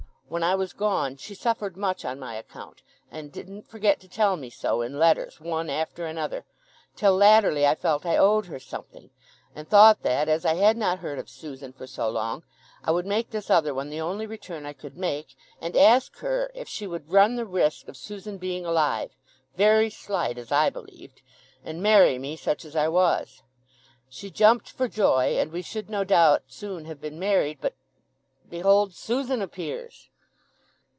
When I was gone she suffered much on my account, and didn't forget to tell me so in letters one after another; till latterly, I felt I owed her something, and thought that, as I had not heard of Susan for so long, I would make this other one the only return I could make, and ask her if she would run the risk of Susan being alive (very slight as I believed) and marry me, such as I was. She jumped for joy, and we should no doubt soon have been married—but, behold, Susan appears!"